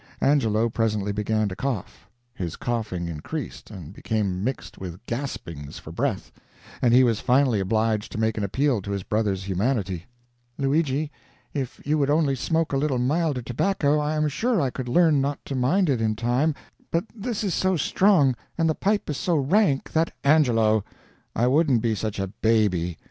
Angelo presently began to cough; his coughing increased and became mixed with gaspings for breath, and he was finally obliged to make an appeal to his brother's humanity: "Luigi, if you would only smoke a little milder tobacco, I am sure I could learn not to mind it in time, but this is so strong, and the pipe is so rank that " "Angelo, I wouldn't be such a baby!